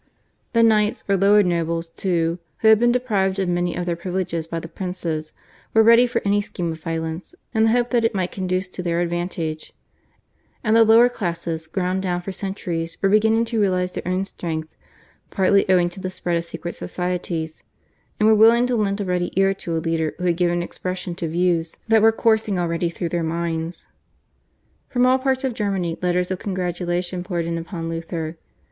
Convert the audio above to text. The knights or lower nobles, too, who had been deprived of many of their privileges by the princes, were ready for any scheme of violence in the hope that it might conduce to their advantage; and the lower classes ground down for centuries were beginning to realise their own strength, partly owing to the spread of secret societies, and were willing to lend a ready ear to a leader who had given expression to views that were coursing already through their minds. From all parts of Germany letters of congratulation poured in upon Luther.